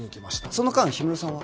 その間氷室さんは？